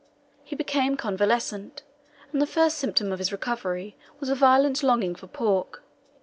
He became convalescent, and the first symptom of his recovery was a violent longing for pork.